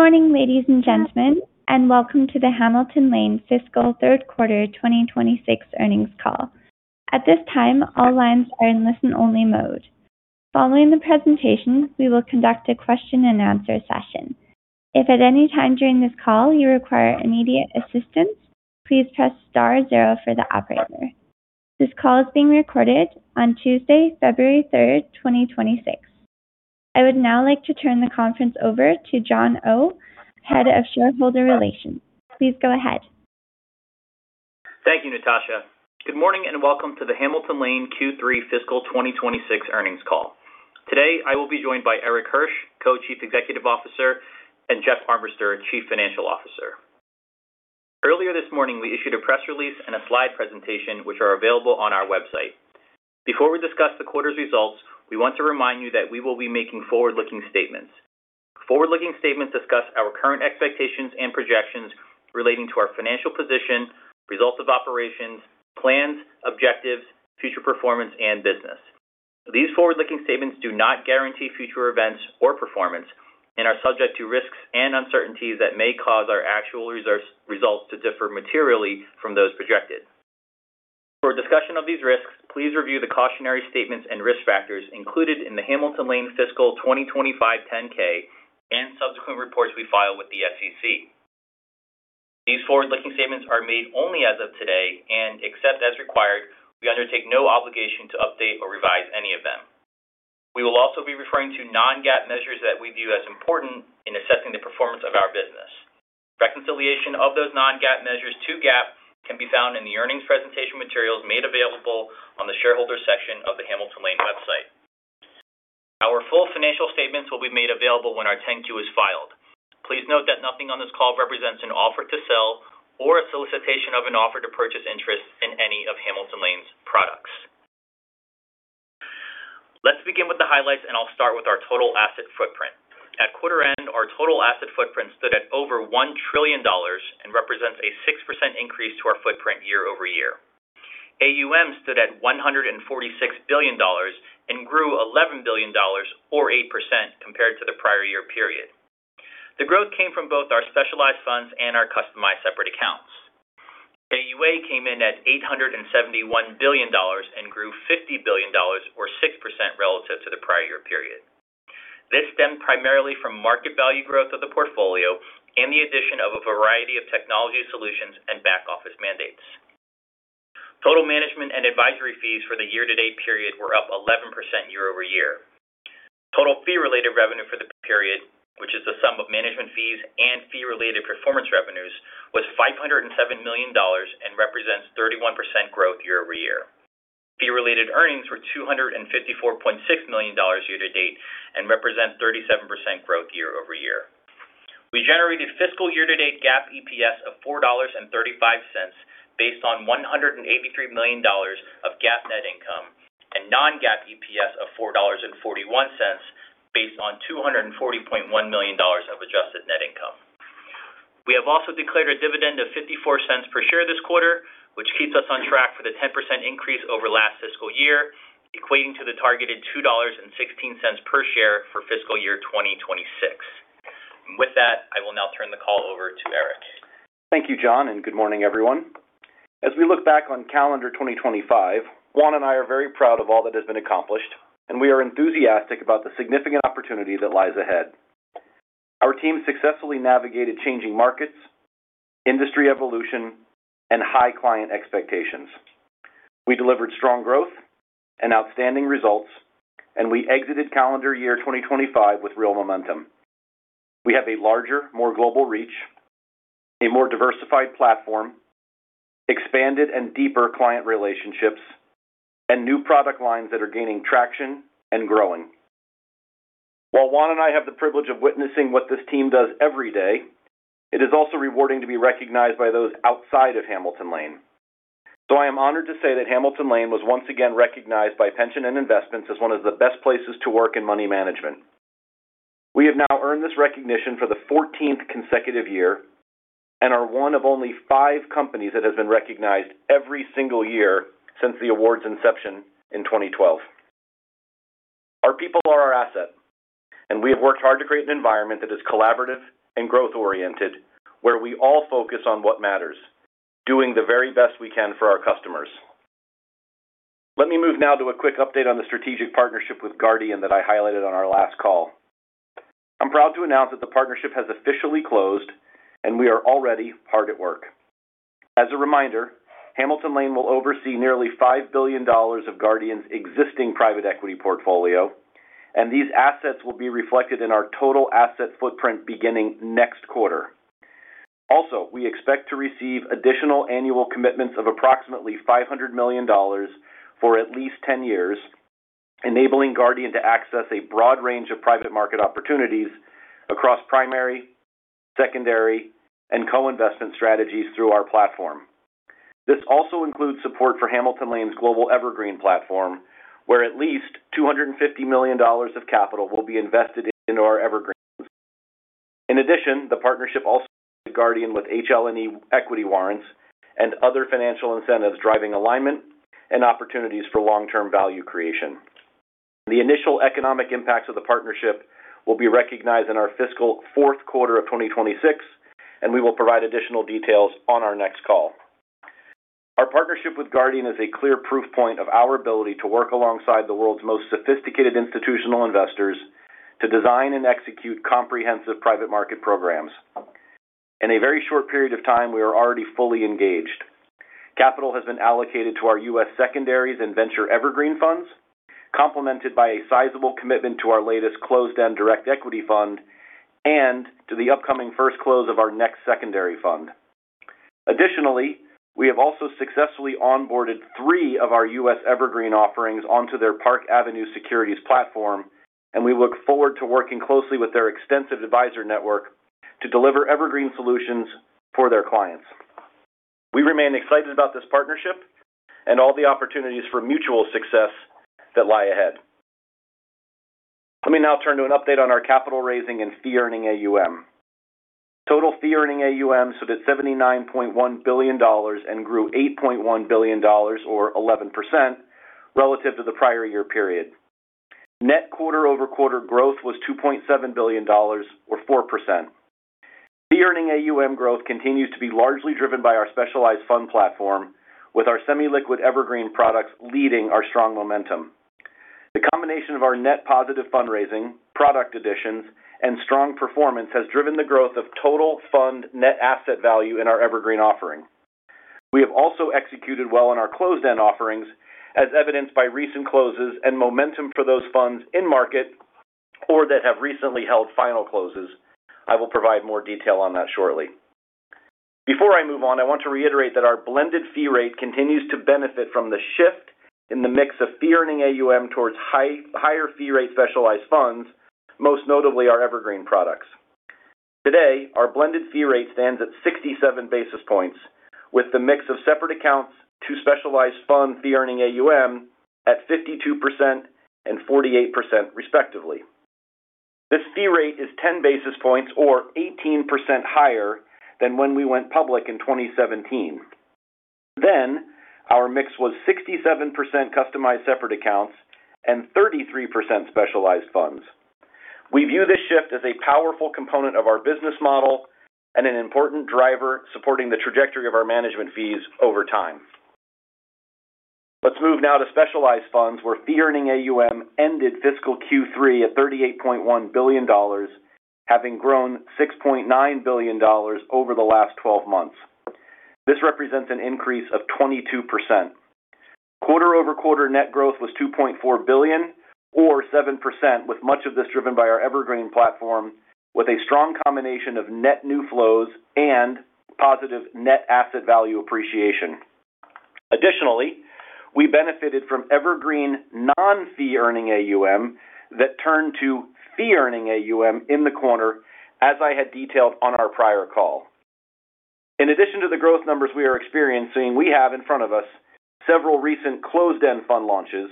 Good morning, ladies and gentlemen, and welcome to the Hamilton Lane Fiscal Third Quarter 2026 Earnings Call. At this time, all lines are in listen-only mode. Following the presentation, we will conduct a question-and-answer session. If at any time during this call you require immediate assistance, please press star zero for the operator. This call is being recorded on Tuesday, February 3rd, 2026. I would now like to turn the conference over to John Oh, Head of Shareholder Relations. Please go ahead. Thank you, Natasha. Good morning and welcome to the Hamilton Lane Q3 Fiscal 2026 Earnings Call. Today I will be joined by Erik Hirsch, Co-Chief Executive Officer, and Jeff Armbrister, Chief Financial Officer. Earlier this morning we issued a press release and a slide presentation which are available on our website. Before we discuss the quarter's results, we want to remind you that we will be making forward-looking statements. Forward-looking statements discuss our current expectations and projections relating to our financial position, results of operations, plans, objectives, future performance, and business. These forward-looking statements do not guarantee future events or performance and are subject to risks and uncertainties that may cause our actual results to differ materially from those projected. For discussion of these risks, please review the cautionary statements and risk factors included in the Hamilton Lane Fiscal 2025 10-K and subsequent reports we file with the SEC. These forward-looking statements are made only as of today, and except as required, we undertake no obligation to update or revise any of them. We will also be referring to non-GAAP measures that we view as important in assessing the performance of our business. Reconciliation of those non-GAAP measures to GAAP can be found in the earnings presentation materials made available on the shareholder section of the Hamilton Lane website. Our full financial statements will be made available when our 10-Q is filed. Please note that nothing on this call represents an offer to sell or a solicitation of an offer to purchase interest in any of Hamilton Lane's products. Let's begin with the highlights, and I'll start with our total asset footprint. At quarter end, our total asset footprint stood at over $1 trillion and represents a 6% increase to our footprint year-over-year. AUM stood at $146 billion and grew $11 billion, or 8%, compared to the prior-year period. The growth came from both our specialized funds and our customized separate accounts. AUA came in at $871 billion and grew $50 billion, or 6%, relative to the prior-year period. This stemmed primarily from market value growth of the portfolio and the addition of a variety of technology solutions and back-office mandates. Total management and advisory fees for the year-to-date period were up 11% year-over-year. Total fee-related revenue for the period, which is the sum of management fees and fee-related performance revenues, was $507 million and represents 31% growth year-over-year. Fee-related earnings were $254.6 million year-to-date and represent 37% growth year-over-year. We generated fiscal year-to-date GAAP EPS of $4.35 based on $183 million of GAAP net income and non-GAAP EPS of $4.41 based on $240.1 million of adjusted net income. We have also declared a dividend of $0.54 per share this quarter, which keeps us on track for the 10% increase over last fiscal year, equating to the targeted $2.16 per share for fiscal year 2026. With that, I will now turn the call over to Erik. Thank you, John, and good morning, everyone. As we look back on calendar 2025, Juan and I are very proud of all that has been accomplished, and we are enthusiastic about the significant opportunity that lies ahead. Our team successfully navigated changing markets, industry evolution, and high client expectations. We delivered strong growth and outstanding results, and we exited calendar year 2025 with real momentum. We have a larger, more global reach, a more diversified platform, expanded and deeper client relationships, and new product lines that are gaining traction and growing. While Juan and I have the privilege of witnessing what this team does every day, it is also rewarding to be recognized by those outside of Hamilton Lane. So I am honored to say that Hamilton Lane was once again recognized by Pensions & Investments as one of the best places to work in money management. We have now earned this recognition for the 14th consecutive year and are one of only five companies that has been recognized every single year since the award's inception in 2012. Our people are our asset, and we have worked hard to create an environment that is collaborative and growth-oriented where we all focus on what matters, doing the very best we can for our customers. Let me move now to a quick update on the strategic partnership with Guardian that I highlighted on our last call. I'm proud to announce that the partnership has officially closed, and we are already hard at work. As a reminder, Hamilton Lane will oversee nearly $5 billion of Guardian's existing private equity portfolio, and these assets will be reflected in our total asset footprint beginning next quarter. Also, we expect to receive additional annual commitments of approximately $500 million for at least 10 years, enabling Guardian to access a broad range of private market opportunities across primary, secondary, and co-investment strategies through our platform. This also includes support for Hamilton Lane's global Evergreen Platform, where at least $250 million of capital will be invested in our Evergreens. In addition, the partnership also provided Guardian with HLNE equity warrants and other financial incentives driving alignment and opportunities for long-term value creation. The initial economic impacts of the partnership will be recognized in our fiscal fourth quarter of 2026, and we will provide additional details on our next call. Our partnership with Guardian is a clear proof point of our ability to work alongside the world's most sophisticated institutional investors to design and execute comprehensive private market programs. In a very short period of time, we are already fully engaged. Capital has been allocated to our U.S. secondaries and venture Evergreen funds, complemented by a sizable commitment to our latest closed-end direct equity fund and to the upcoming first close of our next secondary fund. Additionally, we have also successfully onboarded three of our U.S. Evergreen offerings onto their Park Avenue Securities platform, and we look forward to working closely with their extensive advisor network to deliver Evergreen solutions for their clients. We remain excited about this partnership and all the opportunities for mutual success that lie ahead. Let me now turn to an update on our capital raising and fee-earning AUM. Total fee-earning AUM stood at $79.1 billion and grew $8.1 billion, or 11%, relative to the prior-year period. Net quarter-over-quarter growth was $2.7 billion, or 4%. Fee-earning AUM growth continues to be largely driven by our specialized fund platform, with our semi-liquid Evergreen products leading our strong momentum. The combination of our net positive fundraising, product additions, and strong performance has driven the growth of total fund net asset value in our Evergreen offering. We have also executed well in our closed-end offerings, as evidenced by recent closes and momentum for those funds in market or that have recently held final closes. I will provide more detail on that shortly. Before I move on, I want to reiterate that our blended fee rate continues to benefit from the shift in the mix of fee-earning AUM towards higher fee rate specialized funds, most notably our Evergreen products. Today, our blended fee rate stands at 67 basis points, with the mix of separate accounts to specialized fund fee-earning AUM at 52% and 48%, respectively. This fee rate is 10 basis points, or 18%, higher than when we went public in 2017. Then, our mix was 67% customized separate accounts and 33% specialized funds. We view this shift as a powerful component of our business model and an important driver supporting the trajectory of our management fees over time. Let's move now to specialized funds where fee-earning AUM ended fiscal Q3 at $38.1 billion, having grown $6.9 billion over the last 12 months. This represents an increase of 22%. Quarter-over-quarter net growth was $2.4 billion, or 7%, with much of this driven by our Evergreen platform, with a strong combination of net new flows and positive net asset value appreciation. Additionally, we benefited from Evergreen non-fee-earning AUM that turned to fee-earning AUM in the quarter, as I had detailed on our prior call. In addition to the growth numbers we are experiencing, we have in front of us several recent closed-end fund launches,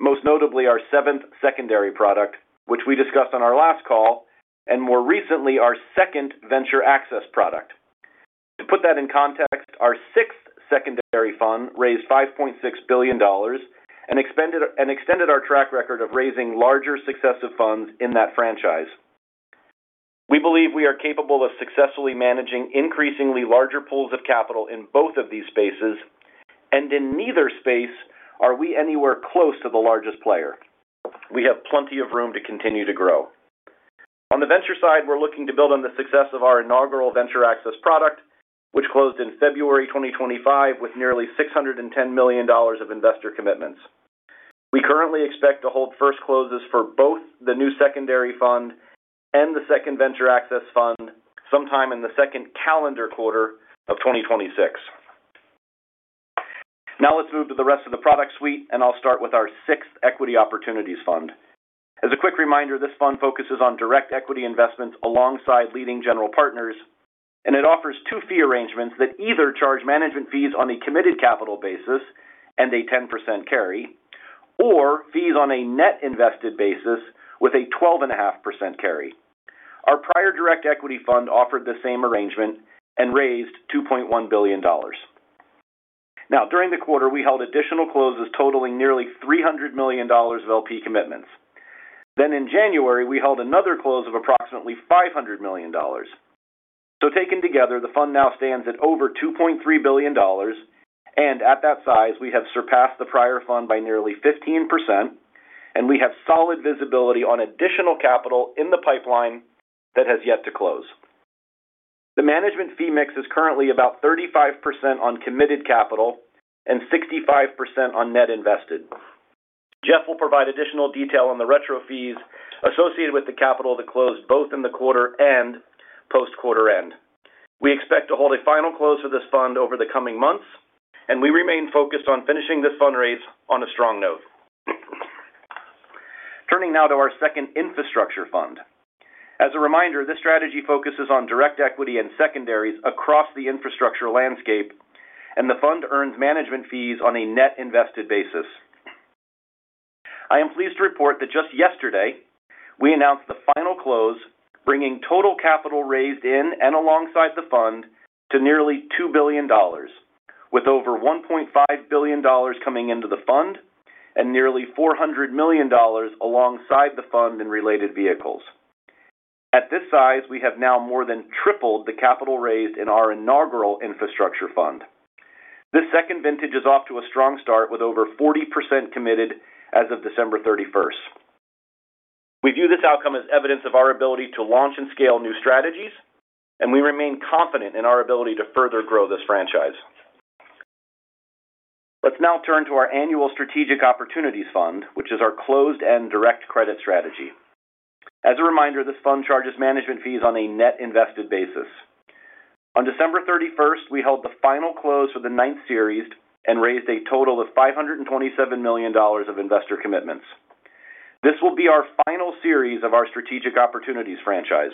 most notably our seventh secondary product, which we discussed on our last call, and more recently our second venture access product. To put that in context, our sixth secondary fund raised $5.6 billion and extended our track record of raising larger successive funds in that franchise. We believe we are capable of successfully managing increasingly larger pools of capital in both of these spaces, and in neither space are we anywhere close to the largest player. We have plenty of room to continue to grow. On the venture side, we're looking to build on the success of our inaugural venture access product, which closed in February 2025 with nearly $610 million of investor commitments. We currently expect to hold first closes for both the new Secondary Fund and the second Venture Access Fund sometime in the second calendar quarter of 2026. Now let's move to the rest of the product suite, and I'll start with our sixth Equity Opportunities Fund. As a quick reminder, this fund focuses on direct equity investments alongside leading general partners, and it offers two fee arrangements that either charge management fees on a committed capital basis and a 10% carry, or fees on a net invested basis with a 12.5% carry. Our prior direct equity fund offered the same arrangement and raised $2.1 billion. Now, during the quarter, we held additional closes totaling nearly $300 million of LP commitments. Then in January, we held another close of approximately $500 million. Taken together, the fund now stands at over $2.3 billion, and at that size, we have surpassed the prior fund by nearly 15%, and we have solid visibility on additional capital in the pipeline that has yet to close. The management fee mix is currently about 35% on committed capital and 65% on net invested. Jeff will provide additional detail on the retro fees associated with the capital that closed both in the quarter and post-quarter end. We expect to hold a final close for this fund over the coming months, and we remain focused on finishing this fundraise on a strong note. Turning now to our second infrastructure fund. As a reminder, this strategy focuses on direct equity and secondaries across the infrastructure landscape, and the fund earns management fees on a net invested basis. I am pleased to report that just yesterday, we announced the final close, bringing total capital raised in and alongside the fund to nearly $2 billion, with over $1.5 billion coming into the fund and nearly $400 million alongside the fund and related vehicles. At this size, we have now more than tripled the capital raised in our inaugural infrastructure fund. This second vintage is off to a strong start with over 40% committed as of December 31st. We view this outcome as evidence of our ability to launch and scale new strategies, and we remain confident in our ability to further grow this franchise. Let's now turn to our annual strategic opportunities fund, which is our closed-end direct credit strategy. As a reminder, this fund charges management fees on a net invested basis. On December 31st, we held the final close for the ninth series and raised a total of $527 million of investor commitments. This will be our final series of our strategic opportunities franchise.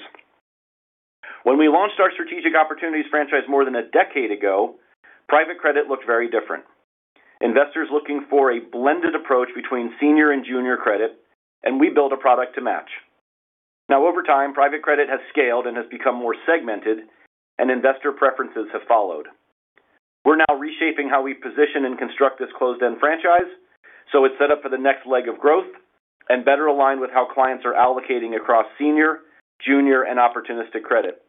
When we launched our strategic opportunities franchise more than a decade ago, private credit looked very different. Investors looking for a blended approach between senior and junior credit, and we built a product to match. Now, over time, private credit has scaled and has become more segmented, and investor preferences have followed. We're now reshaping how we position and construct this closed-end franchise so it's set up for the next leg of growth and better aligned with how clients are allocating across senior, junior, and opportunistic credit.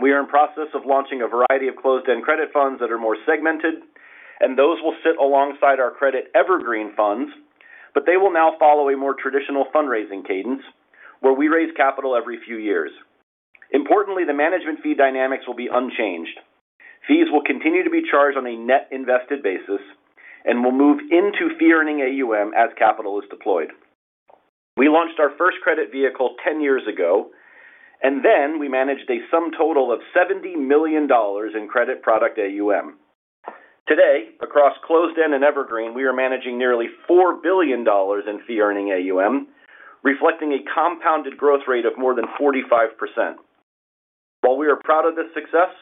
We are in process of launching a variety of closed-end credit funds that are more segmented, and those will sit alongside our credit Evergreen funds, but they will now follow a more traditional fundraising cadence where we raise capital every few years. Importantly, the management fee dynamics will be unchanged. Fees will continue to be charged on a net invested basis and will move into fee-earning AUM as capital is deployed. We launched our first credit vehicle 10 years ago, and then we managed a sum total of $70 million in credit product AUM. Today, across closed-end and Evergreen, we are managing nearly $4 billion in fee-earning AUM, reflecting a compounded growth rate of more than 45%. While we are proud of this success,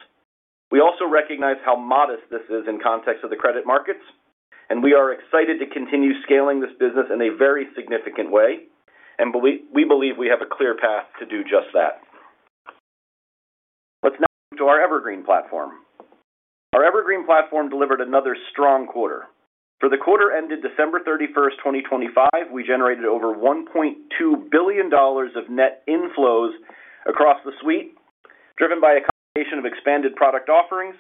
we also recognize how modest this is in context of the credit markets, and we are excited to continue scaling this business in a very significant way, and we believe we have a clear path to do just that. Let's now move to our Evergreen Platform. Our Evergreen Platform delivered another strong quarter. For the quarter ended December 31st, 2025, we generated over $1.2 billion of net inflows across the suite, driven by a combination of expanded product offerings,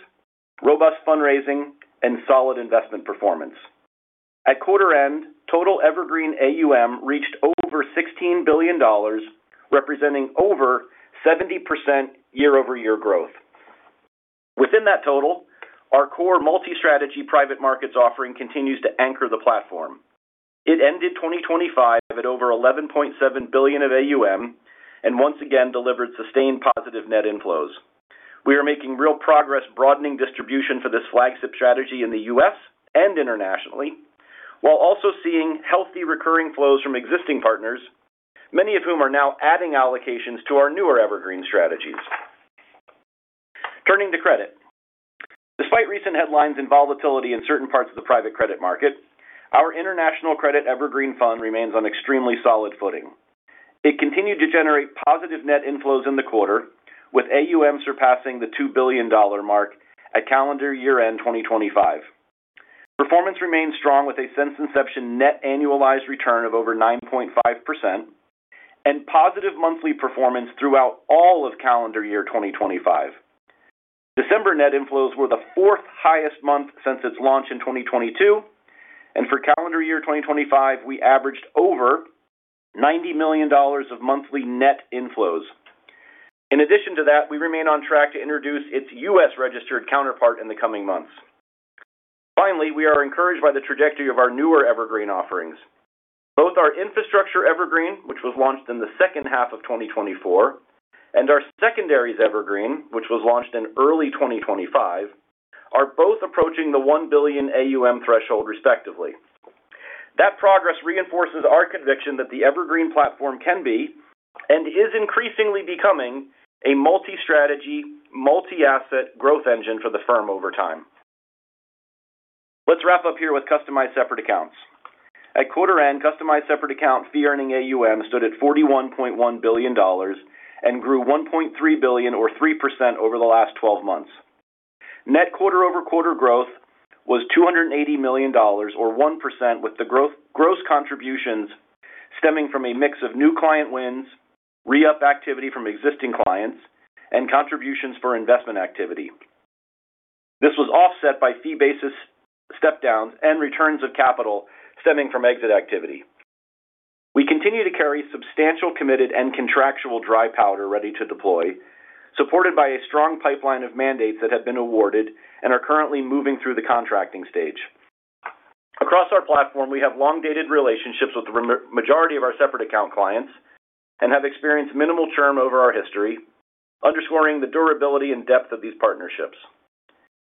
robust fundraising, and solid investment performance. At quarter end, total Evergreen Platform AUM reached over $16 billion, representing over 70% year-over-year growth. Within that total, our core multi-strategy private markets offering continues to anchor the platform. It ended 2025 at over $11.7 billion of AUM and once again delivered sustained positive net inflows. We are making real progress broadening distribution for this flagship strategy in the U.S. and internationally, while also seeing healthy recurring flows from existing partners, many of whom are now adding allocations to our newer Evergreen strategies. Turning to credit. Despite recent headlines and volatility in certain parts of the private credit market, our international credit Evergreen fund remains on extremely solid footing. It continued to generate positive net inflows in the quarter, with AUM surpassing the $2 billion mark at calendar year-end 2025. Performance remains strong with a since-inception net annualized return of over 9.5% and positive monthly performance throughout all of calendar year 2025. December net inflows were the fourth highest month since its launch in 2022, and for calendar year 2025, we averaged over $90 million of monthly net inflows. In addition to that, we remain on track to introduce its U.S.-registered counterpart in the coming months. Finally, we are encouraged by the trajectory of our newer Evergreen offerings. Both our Infrastructure Evergreen, which was launched in the second half of 2024, and our Secondaries Evergreen, which was launched in early 2025, are both approaching the $1 billion AUM threshold, respectively. That progress reinforces our conviction that the Evergreen Platform can be and is increasingly becoming a multi-strategy, multi-asset growth engine for the firm over time. Let's wrap up here with Customized Separate Accounts. At quarter-end, Customized Separate Account fee-earning AUM stood at $41.1 billion and grew $1.3 billion, or 3%, over the last 12 months. Net quarter-over-quarter growth was $280 million, or 1%, with the gross contributions stemming from a mix of new client wins, re-up activity from existing clients, and contributions for investment activity. This was offset by fee basis stepdowns and returns of capital stemming from exit activity. We continue to carry substantial committed and contractual dry powder ready to deploy, supported by a strong pipeline of mandates that have been awarded and are currently moving through the contracting stage. Across our platform, we have long-dated relationships with the majority of our separate account clients and have experienced minimal churn over our history, underscoring the durability and depth of these partnerships.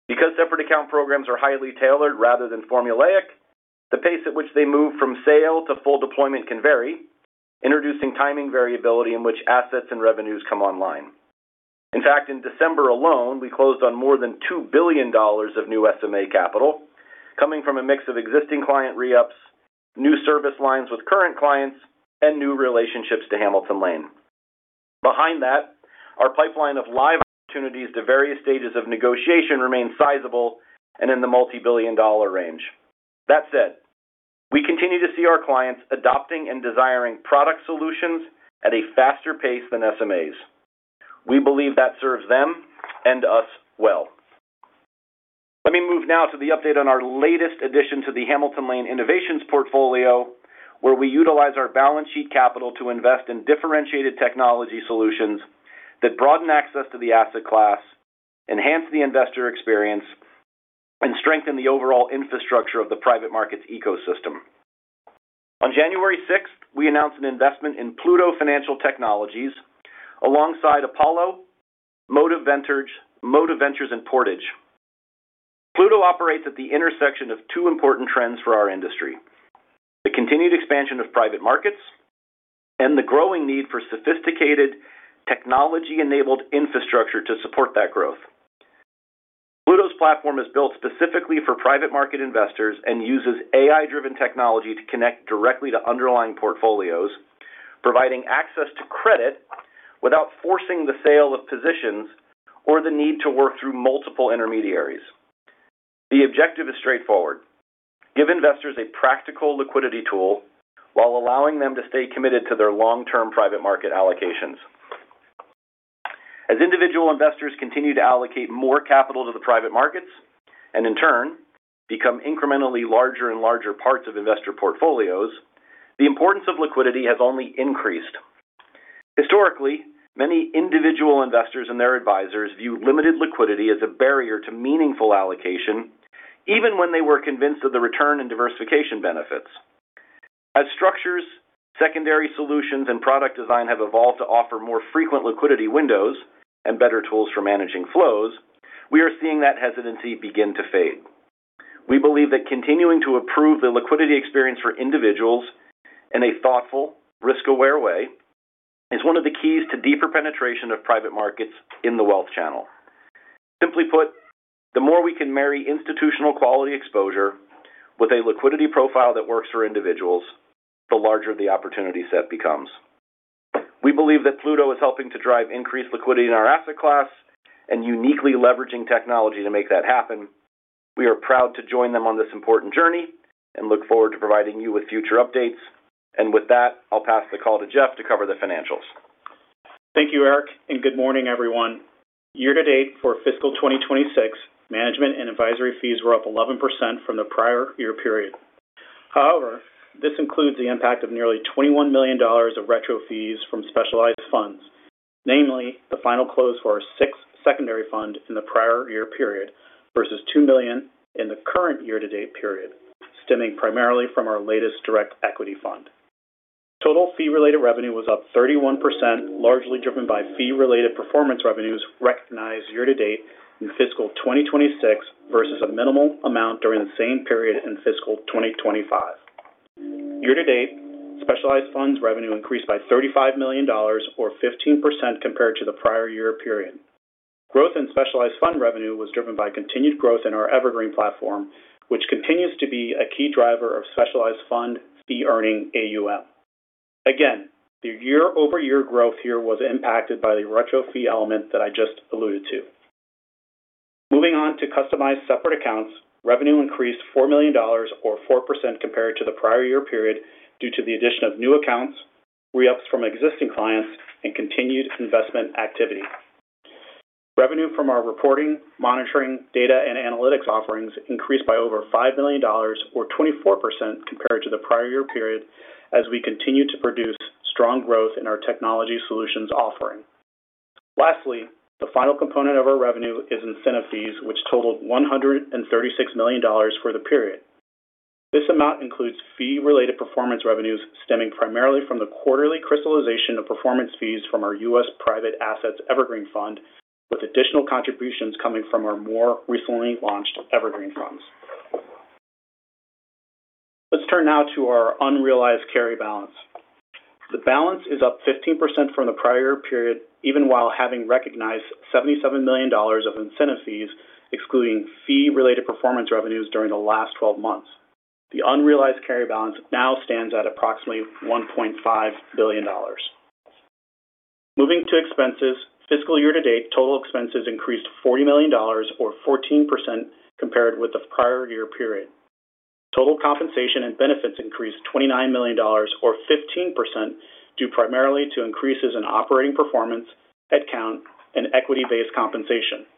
Because separate account programs are highly tailored rather than formulaic, the pace at which they move from sale to full deployment can vary, introducing timing variability in which assets and revenues come online. In fact, in December alone, we closed on more than $2 billion of new SMA capital, coming from a mix of existing client re-ups, new service lines with current clients, and new relationships to Hamilton Lane. Behind that, our pipeline of live opportunities to various stages of negotiation remains sizable and in the multi-billion-dollar range. That said, we continue to see our clients adopting and desiring product solutions at a faster pace than SMAs. We believe that serves them and us well. Let me move now to the update on our latest addition to the Hamilton Lane Innovations portfolio, where we utilize our balance sheet capital to invest in differentiated technology solutions that broaden access to the asset class, enhance the investor experience, and strengthen the overall infrastructure of the private markets ecosystem. On January 6th, we announced an investment in Pluto Financial Technologies alongside Apollo, Motive Ventures, and Portage. Pluto operates at the intersection of two important trends for our industry: the continued expansion of private markets and the growing need for sophisticated technology-enabled infrastructure to support that growth. Pluto's platform is built specifically for private market investors and uses AI-driven technology to connect directly to underlying portfolios, providing access to credit without forcing the sale of positions or the need to work through multiple intermediaries. The objective is straightforward: give investors a practical liquidity tool while allowing them to stay committed to their long-term private market allocations. As individual investors continue to allocate more capital to the private markets and, in turn, become incrementally larger and larger parts of investor portfolios, the importance of liquidity has only increased. Historically, many individual investors and their advisors view limited liquidity as a barrier to meaningful allocation, even when they were convinced of the return and diversification benefits. As structures, secondary solutions, and product design have evolved to offer more frequent liquidity windows and better tools for managing flows, we are seeing that hesitancy begin to fade. We believe that continuing to improve the liquidity experience for individuals in a thoughtful, risk-aware way is one of the keys to deeper penetration of private markets in the wealth channel. Simply put, the more we can marry institutional quality exposure with a liquidity profile that works for individuals, the larger the opportunity set becomes. We believe that Pluto is helping to drive increased liquidity in our asset class and uniquely leveraging technology to make that happen. We are proud to join them on this important journey and look forward to providing you with future updates. And with that, I'll pass the call to Jeff to cover the financials. Thank you, Erik, and good morning, everyone. Year-to-date, for fiscal 2026, management and advisory fees were up 11% from the prior-year period. However, this includes the impact of nearly $21 million of retro fees from specialized funds, namely the final close for our sixth secondary fund in the prior-year period versus $2 million in the current year-to-date period, stemming primarily from our latest direct equity fund. Total fee-related revenue was up 31%, largely driven by fee-related performance revenues recognized year-to-date in fiscal 2026 versus a minimal amount during the same period in fiscal 2025. Year-to-date, specialized funds revenue increased by $35 million, or 15%, compared to the prior-year period. Growth in specialized fund revenue was driven by continued growth in our Evergreen Platform, which continues to be a key driver of specialized fund fee-earning AUM. Again, the year-over-year growth here was impacted by the retro fee element that I just alluded to. Moving on to customized separate accounts, revenue increased $4 million, or 4%, compared to the prior-year period due to the addition of new accounts, re-ups from existing clients, and continued investment activity. Revenue from our reporting, monitoring, data, and analytics offerings increased by over $5 million, or 24%, compared to the prior-year period as we continue to produce strong growth in our technology solutions offering. Lastly, the final component of our revenue is incentive fees, which totaled $136 million for the period. This amount includes fee-related performance revenues stemming primarily from the quarterly crystallization of performance fees from our U.S. private assets Evergreen fund, with additional contributions coming from our more recently launched Evergreen funds. Let's turn now to our unrealized carry balance. The balance is up 15% from the prior-year period, even while having recognized $77 million of incentive fees, excluding fee-related performance revenues during the last 12 months. The unrealized carry balance now stands at approximately $1.5 billion. Moving to expenses, fiscal year-to-date, total expenses increased $40 million, or 14%, compared with the prior-year period. Total compensation and benefits increased $29 million, or 15%, due primarily to increases in operating performance, headcount, and equity-based compensation.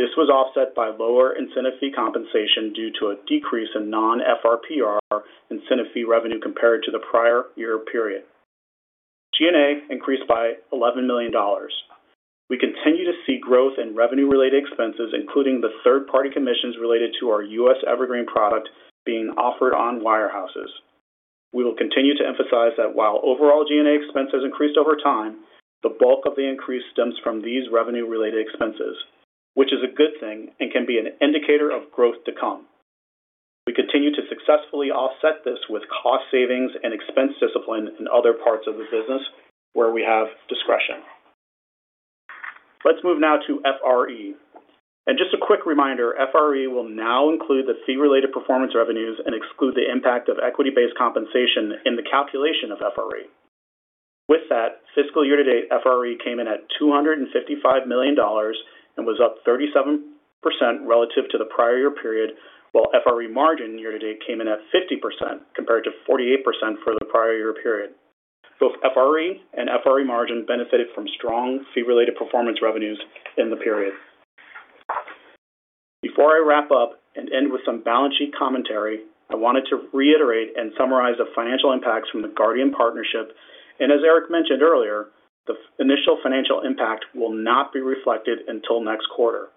This was offset by lower incentive fee compensation due to a decrease in non-FRPR incentive fee revenue compared to the prior-year period. G&A increased by $11 million. We continue to see growth in revenue-related expenses, including the third-party commissions related to our U.S. Evergreen product being offered on wirehouses. We will continue to emphasize that while overall G&A expenses increased over time, the bulk of the increase stems from these revenue-related expenses, which is a good thing and can be an indicator of growth to come. We continue to successfully offset this with cost savings and expense discipline in other parts of the business where we have discretion. Let's move now to FRE. Just a quick reminder, FRE will now include the fee-related performance revenues and exclude the impact of equity-based compensation in the calculation of FRE. With that, fiscal year-to-date, FRE came in at $255 million and was up 37% relative to the prior-year period, while FRE margin year-to-date came in at 50% compared to 48% for the prior-year period. Both FRE and FRE margin benefited from strong fee-related performance revenues in the period. Before I wrap up and end with some balance sheet commentary, I wanted to reiterate and summarize the financial impacts from the Guardian partnership. As Erik mentioned earlier, the initial financial impact will not be reflected until next quarter.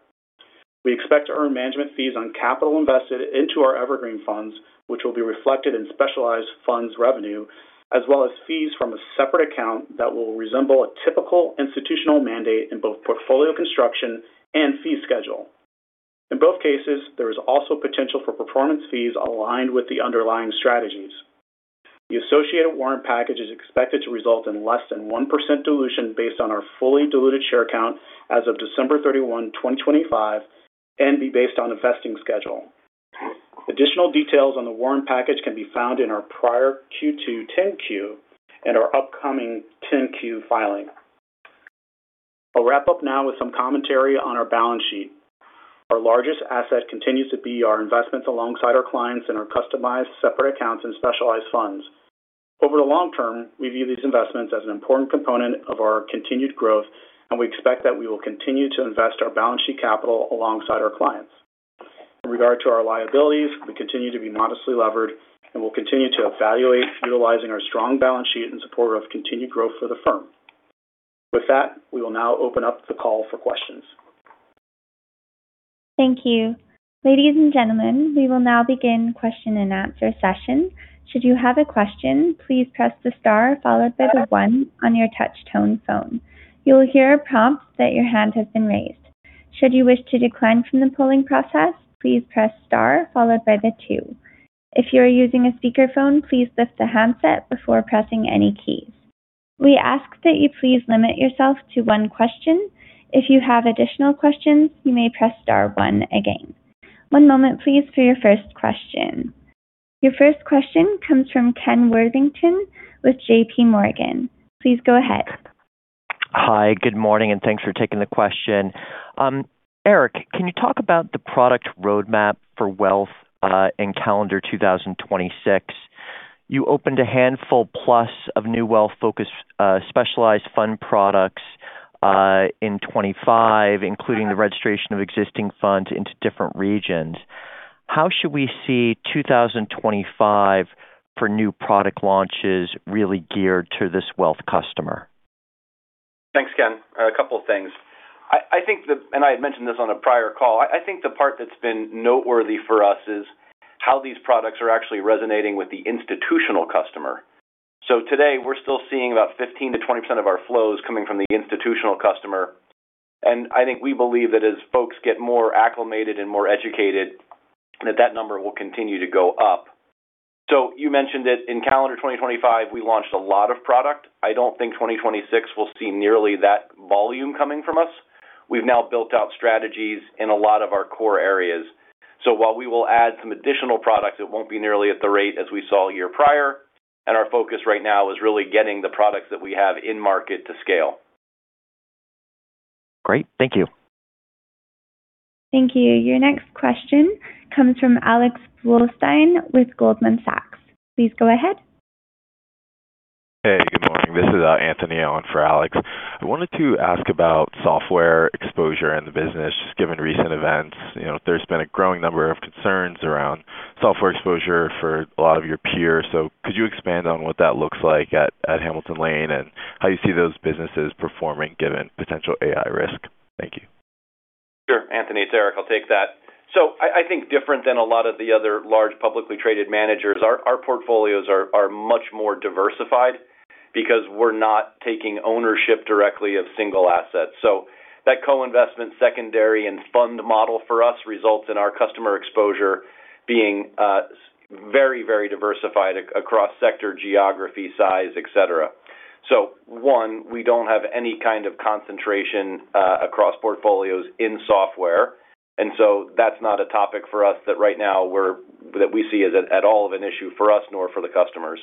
We expect to earn management fees on capital invested into our Evergreen funds, which will be reflected in specialized funds revenue, as well as fees from a separate account that will resemble a typical institutional mandate in both portfolio construction and fee schedule. In both cases, there is also potential for performance fees aligned with the underlying strategies. The associated warrant package is expected to result in less than 1% dilution based on our fully diluted share count as of December 31, 2025, and be based on investing schedule. Additional details on the warrant package can be found in our prior Q2 10-Q and our upcoming 10-Q filing. I'll wrap up now with some commentary on our balance sheet. Our largest asset continues to be our investments alongside our clients in our customized separate accounts and specialized funds. Over the long term, we view these investments as an important component of our continued growth, and we expect that we will continue to invest our balance sheet capital alongside our clients. In regard to our liabilities, we continue to be modestly levered, and we'll continue to evaluate utilizing our strong balance sheet in support of continued growth for the firm. With that, we will now open up the call for questions. Thank you. Ladies and gentlemen, we will now begin question-and-answer session. Should you have a question, please press the star followed by the one on your touch-tone phone. You will hear a prompt that your hand has been raised. Should you wish to decline from the polling process, please press star followed by the two. If you are using a speakerphone, please lift the handset before pressing any keys. We ask that you please limit yourself to one question. If you have additional questions, you may press star one again. One moment, please, for your first question. Your first question comes from Ken Worthington with JPMorgan. Please go ahead. Hi. Good morning, and thanks for taking the question. Erik, can you talk about the product roadmap for wealth in calendar 2026? You opened a handful plus of new wealth-focused specialized fund products in 2025, including the registration of existing funds into different regions. How should we see 2025 for new product launches really geared to this wealth customer? Thanks, Ken. A couple of things. I had mentioned this on a prior call. I think the part that's been noteworthy for us is how these products are actually resonating with the institutional customer. So today, we're still seeing about 15%-20% of our flows coming from the institutional customer. And I think we believe that as folks get more acclimated and more educated, that that number will continue to go up. So you mentioned that in calendar 2025, we launched a lot of product. I don't think 2026 will see nearly that volume coming from us. We've now built out strategies in a lot of our core areas. So while we will add some additional products, it won't be nearly at the rate as we saw year prior. And our focus right now is really getting the products that we have in market to scale. Great. Thank you. Thank you. Your next question comes from Alex Blostein with Goldman Sachs. Please go ahead. Hey. Good morning. This is Anthony on for Alex. I wanted to ask about software exposure in the business, just given recent events. There's been a growing number of concerns around software exposure for a lot of your peers. So could you expand on what that looks like at Hamilton Lane and how you see those businesses performing given potential AI risk? Thank you. Sure, Anthony. It's Erik. I'll take that. So I think different than a lot of the other large publicly traded managers, our portfolios are much more diversified because we're not taking ownership directly of single assets. So that co-investment, secondary, and fund model for us results in our customer exposure being very, very diversified across sector, geography, size, etc. So one, we don't have any kind of concentration across portfolios in software. So that's not a topic for us that right now that we see as at all of an issue for us nor for the customers.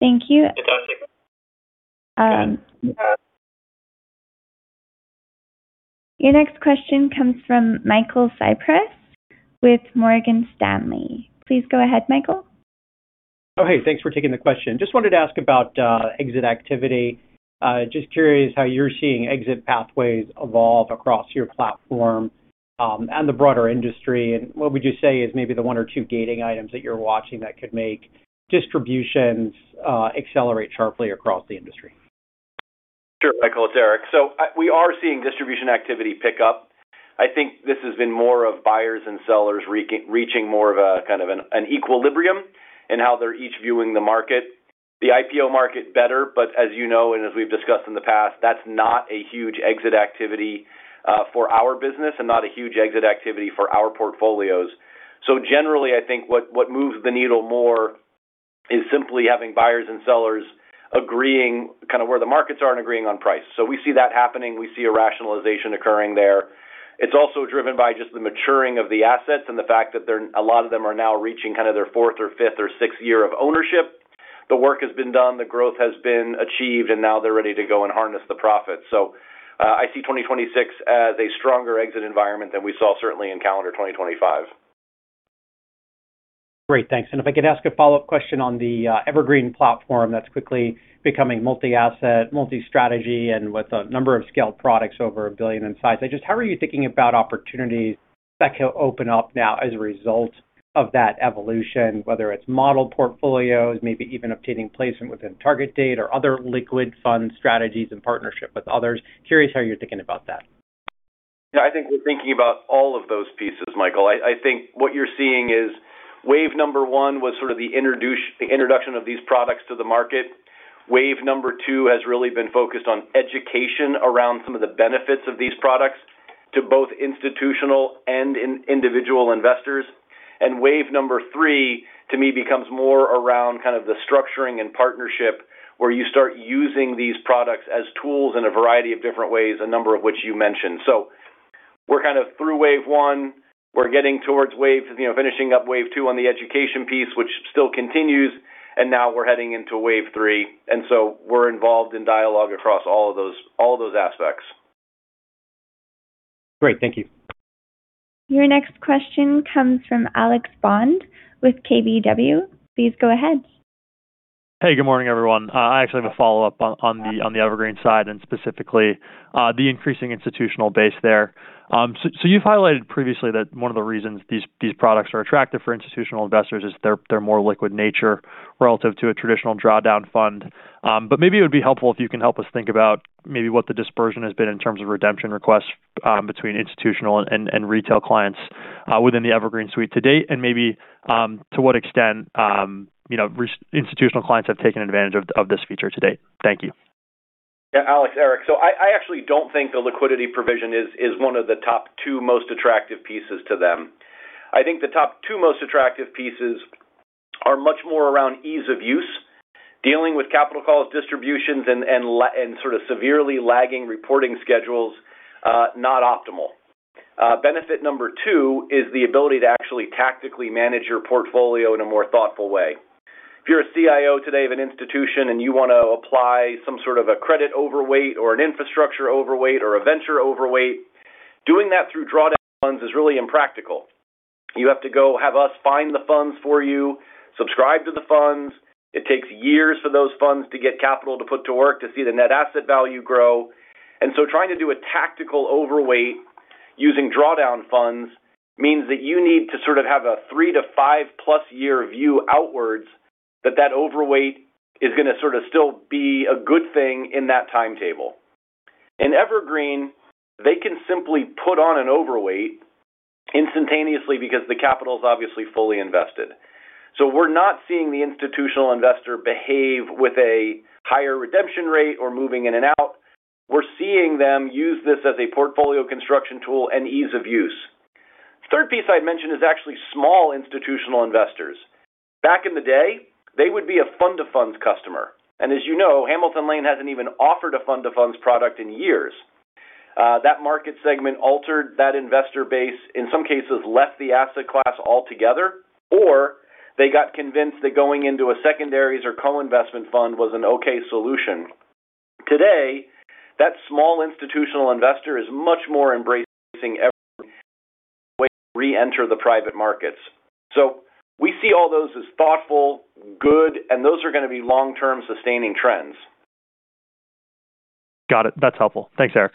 Thank you. Fantastic. Your next question comes from Michael Cyprys with Morgan Stanley. Please go ahead, Michael. Oh, hey. Thanks for taking the question. Just wanted to ask about exit activity. Just curious how you're seeing exit pathways evolve across your platform and the broader industry. And what would you say is maybe the one or two gating items that you're watching that could make distributions accelerate sharply across the industry? Sure, Michael. It's Erik. So we are seeing distribution activity pick up. I think this has been more of buyers and sellers reaching more of a kind of an equilibrium in how they're each viewing the market. The IPO market better. But as you know and as we've discussed in the past, that's not a huge exit activity for our business and not a huge exit activity for our portfolios. So generally, I think what moves the needle more is simply having buyers and sellers agreeing kind of where the markets are and agreeing on price. So we see that happening. We see a rationalization occurring there. It's also driven by just the maturing of the assets and the fact that a lot of them are now reaching kind of their fourth or fifth or sixth year of ownership. The work has been done. The growth has been achieved. And now they're ready to go and harness the profits. So I see 2026 as a stronger exit environment than we saw, certainly, in calendar 2025. Great. Thanks. If I could ask a follow-up question on the Evergreen Platform that's quickly becoming multi-asset, multi-strategy, and with a number of scaled products over $1 billion in size, how are you thinking about opportunities that could open up now as a result of that evolution, whether it's modeled portfolios, maybe even obtaining placement within target date, or other liquid fund strategies in partnership with others? Curious how you're thinking about that. Yeah. I think we're thinking about all of those pieces, Michael. I think what you're seeing is wave number one was sort of the introduction of these products to the market. Wave number two has really been focused on education around some of the benefits of these products to both institutional and individual investors. And wave number three, to me, becomes more around kind of the structuring and partnership where you start using these products as tools in a variety of different ways, a number of which you mentioned. So we're kind of through wave one. We're getting towards finishing up wave two on the education piece, which still continues. And now we're heading into wave three. And so we're involved in dialogue across all of those aspects. Great. Thank you. Your next question comes from Alex Bond with KBW. Please go ahead. Hey. Good morning, everyone. I actually have a follow-up on the Evergreen side and specifically the increasing institutional base there. So you've highlighted previously that one of the reasons these products are attractive for institutional investors is their more liquid nature relative to a traditional drawdown fund. But maybe it would be helpful if you can help us think about maybe what the dispersion has been in terms of redemption requests between institutional and retail clients within the Evergreen suite to date and maybe to what extent institutional clients have taken advantage of this feature to date? Thank you. Yeah. Alex, Erik. So I actually don't think the liquidity provision is one of the top two most attractive pieces to them. I think the top two most attractive pieces are much more around ease of use. Dealing with capital calls, distributions, and sort of severely lagging reporting schedules, not optimal. Benefit number two is the ability to actually tactically manage your portfolio in a more thoughtful way. If you're a CIO today of an institution and you want to apply some sort of a credit overweight or an infrastructure overweight or a venture overweight, doing that through drawdown funds is really impractical. You have to go have us find the funds for you, subscribe to the funds. It takes years for those funds to get capital to put to work to see the net asset value grow. And so trying to do a tactical overweight using drawdown funds means that you need to sort of have a three- to five-plus-year view outwards that that overweight is going to sort of still be a good thing in that timetable. In Evergreen, they can simply put on an overweight instantaneously because the capital's obviously fully invested. So we're not seeing the institutional investor behave with a higher redemption rate or moving in and out. We're seeing them use this as a portfolio construction tool and ease of use. Third piece I'd mention is actually small institutional investors. Back in the day, they would be a fund-of-funds customer. And as you know, Hamilton Lane hasn't even offered a fund-of-funds product in years. That market segment altered that investor base, in some cases, left the asset class altogether, or they got convinced that going into a secondaries or co-investment fund was an okay solution. Today, that small institutional investor is much more embracing Evergreen as a way to reenter the private markets. So we see all those as thoughtful, good, and those are going to be long-term sustaining trends. Got it. That's helpful. Thanks, Erik.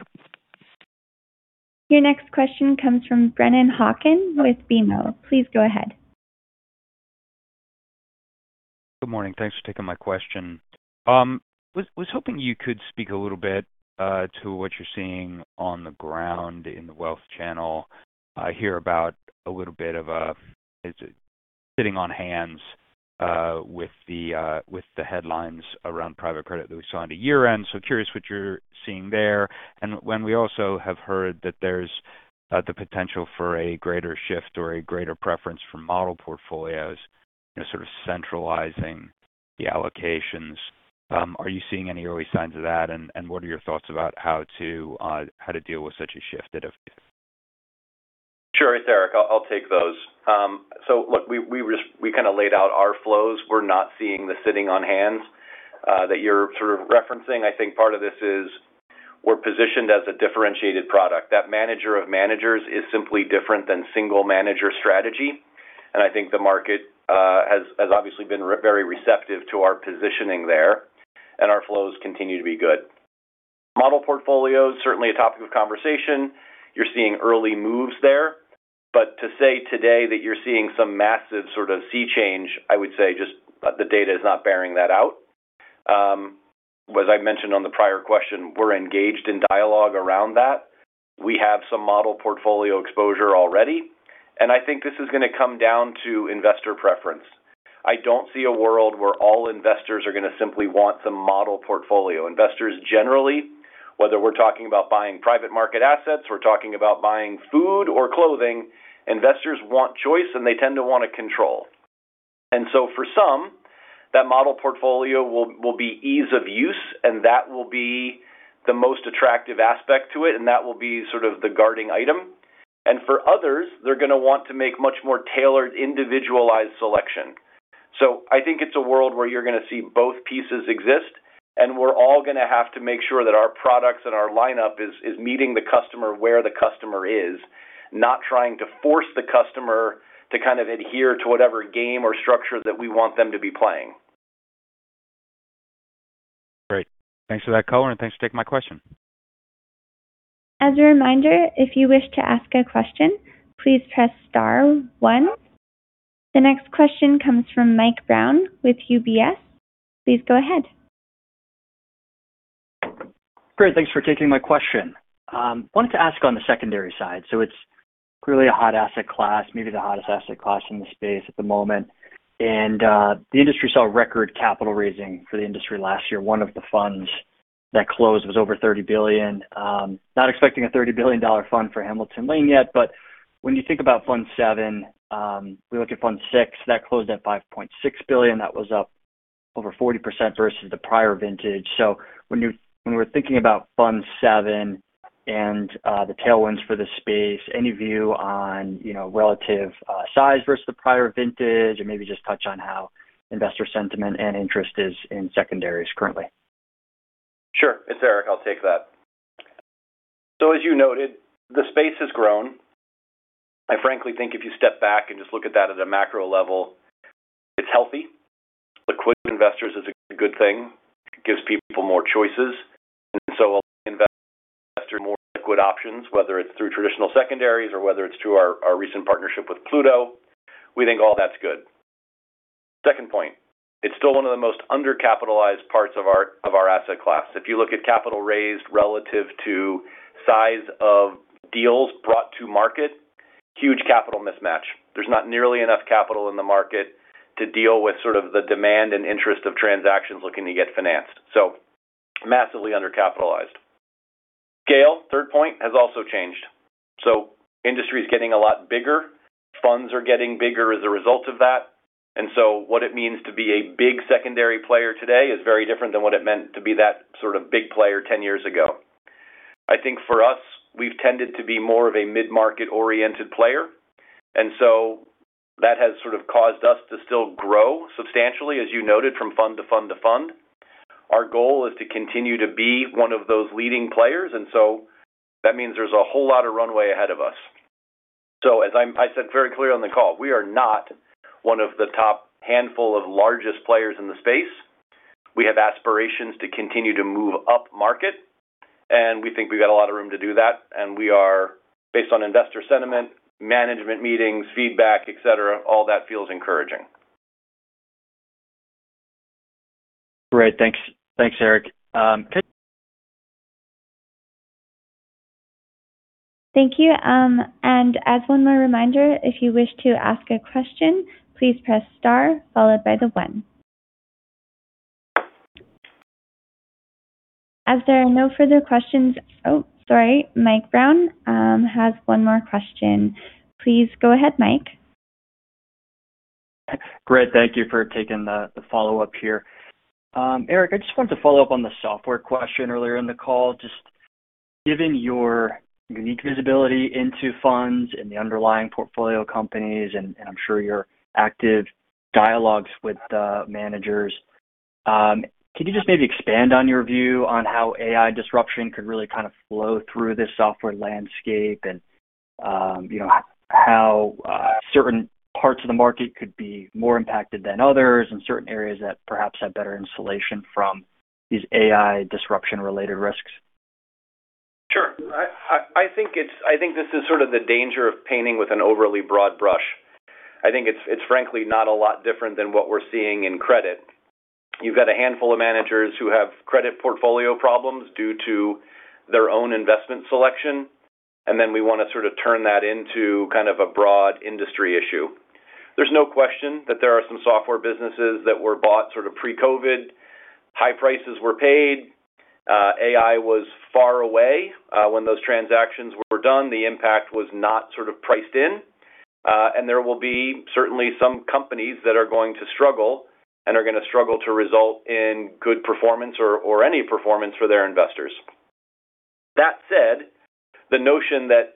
Your next question comes from Brennan Hawken with BMO. Please go ahead. Good morning. Thanks for taking my question. I was hoping you could speak a little bit to what you're seeing on the ground in the wealth channel here about a little bit of a sitting on hands with the headlines around private credit that we saw on the year-end. So curious what you're seeing there. And when we also have heard that there's the potential for a greater shift or a greater preference for model portfolios, sort of centralizing the allocations, are you seeing any early signs of that? And what are your thoughts about how to deal with such a shift, if? Sure, it's Erik. I'll take those. So look, we kind of laid out our flows. We're not seeing the sitting on hands that you're sort of referencing. I think part of this is we're positioned as a differentiated product. That manager of managers is simply different than single manager strategy. I think the market has obviously been very receptive to our positioning there. Our flows continue to be good. Model portfolios, certainly a topic of conversation. You're seeing early moves there. But to say today that you're seeing some massive sort of sea change, I would say just the data is not bearing that out. As I mentioned on the prior question, we're engaged in dialogue around that. We have some model portfolio exposure already. I think this is going to come down to investor preference. I don't see a world where all investors are going to simply want some model portfolio. Investors, generally, whether we're talking about buying private market assets, we're talking about buying food or clothing, investors want choice, and they tend to want to control. For some, that model portfolio will be ease of use. And that will be the most attractive aspect to it. And that will be sort of the gating item. And for others, they're going to want to make much more tailored, individualized selection. So I think it's a world where you're going to see both pieces exist. And we're all going to have to make sure that our products and our lineup is meeting the customer where the customer is, not trying to force the customer to kind of adhere to whatever game or structure that we want them to be playing. Great. Thanks for that color. And thanks for taking my question. As a reminder, if you wish to ask a question, please press star one. The next question comes from Mike Brown with UBS. Please go ahead. Great. Thanks for taking my question. Wanted to ask on the secondary side. So it's clearly a hot asset class, maybe the hottest asset class in the space at the moment. And the industry saw record capital raising for the industry last year. One of the funds that closed was over $30 billion. Not expecting a $30 billion fund for Hamilton Lane yet. But when you think about fund seven, we look at fund six. That closed at $5.6 billion. That was up over 40% versus the prior vintage. So when we're thinking about fund seven and the tailwinds for the space, any view on relative size versus the prior vintage and maybe just touch on how investor sentiment and interest is in secondaries currently? Sure. It's Erik. I'll take that. So as you noted, the space has grown. I frankly think if you step back and just look at that at a macro level, it's healthy. Liquid investors is a good thing. It gives people more choices. And so investors more liquid options, whether it's through traditional secondaries or whether it's through our recent partnership with Pluto, we think all that's good. Second point, it's still one of the most undercapitalized parts of our asset class. If you look at capital raised relative to size of deals brought to market, huge capital mismatch. There's not nearly enough capital in the market to deal with sort of the demand and interest of transactions looking to get financed. So massively undercapitalized. Scale, third point, has also changed. So industry is getting a lot bigger. Funds are getting bigger as a result of that. And so what it means to be a big secondary player today is very different than what it meant to be that sort of big player 10 years ago. I think for us, we've tended to be more of a mid-market-oriented player. So that has sort of caused us to still grow substantially, as you noted, from fund to fund to fund. Our goal is to continue to be one of those leading players. So that means there's a whole lot of runway ahead of us. As I said very clear on the call, we are not one of the top handful of largest players in the space. We have aspirations to continue to move up market. And we think we've got a lot of room to do that. And we are, based on investor sentiment, management meetings, feedback, etc., all that feels encouraging. Great. Thanks, Erik. Could you? Thank you. And as one more reminder, if you wish to ask a question, please press star followed by the one. As there are no further questions, oh, sorry. Mike Brown has one more question. Please go ahead, Mike. Great. Thank you for taking the follow-up here. Erik, I just wanted to follow up on the software question earlier in the call. Just given your unique visibility into funds and the underlying portfolio companies and I'm sure your active dialogues with managers, can you just maybe expand on your view on how AI disruption could really kind of flow through this software landscape and how certain parts of the market could be more impacted than others and certain areas that perhaps have better insulation from these AI disruption-related risks? Sure. I think this is sort of the danger of painting with an overly broad brush. I think it's, frankly, not a lot different than what we're seeing in credit. You've got a handful of managers who have credit portfolio problems due to their own investment selection. And then we want to sort of turn that into kind of a broad industry issue. There's no question that there are some software businesses that were bought sort of pre-COVID. High prices were paid. AI was far away when those transactions were done. The impact was not sort of priced in. And there will be certainly some companies that are going to struggle and are going to struggle to result in good performance or any performance for their investors. That said, the notion that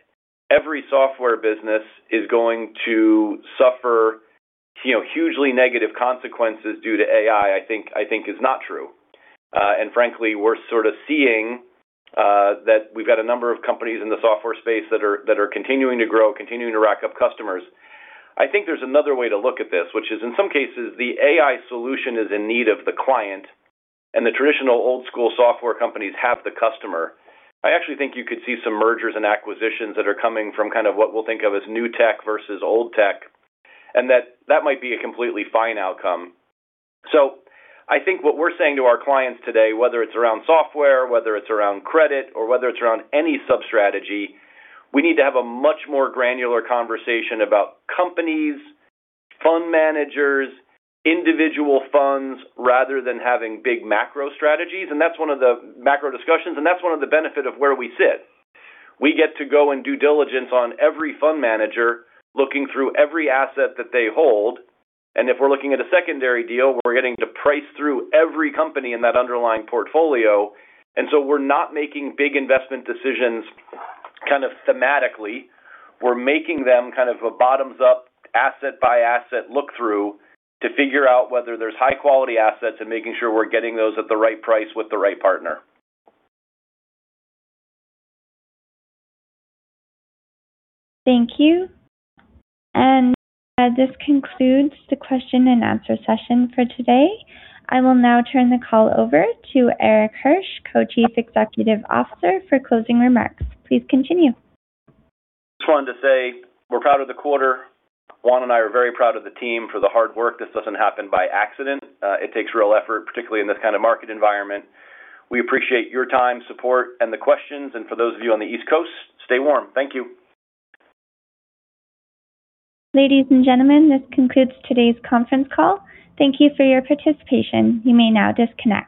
every software business is going to suffer hugely negative consequences due to AI, I think, is not true. And frankly, we're sort of seeing that we've got a number of companies in the software space that are continuing to grow, continuing to rack up customers. I think there's another way to look at this, which is, in some cases, the AI solution is in need of the client. And the traditional old-school software companies have the customer. I actually think you could see some mergers and acquisitions that are coming from kind of what we'll think of as new tech versus old tech. And that might be a completely fine outcome. So I think what we're saying to our clients today, whether it's around software, whether it's around credit, or whether it's around any sub-strategy, we need to have a much more granular conversation about companies, fund managers, individual funds rather than having big macro strategies. And that's one of the macro discussions. And that's one of the benefit of where we sit. We get to go and do diligence on every fund manager looking through every asset that they hold. And if we're looking at a secondary deal, we're getting to price through every company in that underlying portfolio. And so we're not making big investment decisions kind of thematically. We're making them kind of a bottoms-up, asset-by-asset look-through to figure out whether there's high-quality assets and making sure we're getting those at the right price with the right partner. Thank you. And this concludes the question-and-answer session for today. I will now turn the call over to Erik Hirsch, Co-Chief Executive Officer, for closing remarks. Please continue. It's fun to say we're proud of the quarter. Juan and I are very proud of the team for the hard work. This doesn't happen by accident. It takes real effort, particularly in this kind of market environment. We appreciate your time, support, and the questions. And for those of you on the East Coast, stay warm. Thank you. Ladies and gentlemen, this concludes today's conference call. Thank you for your participation. You may now disconnect.